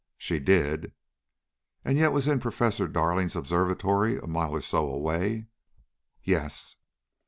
"She did." "And yet was in Professor Darling's observatory, a mile or so away?" "Yes."